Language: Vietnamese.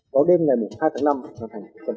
vào đêm ngày hai tháng năm trang thành trận hai mươi